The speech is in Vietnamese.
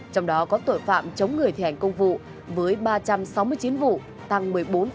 trong đó có tội phạm chống người thi hành công vụ với ba trăm sáu mươi chín vụ tăng một mươi bốn hai mươi bốn